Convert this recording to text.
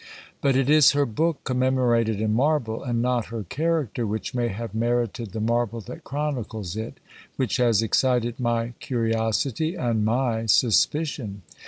But it is her book commemorated in marble, and not her character, which may have merited the marble that chronicles it, which has excited my curiosity and my suspicion.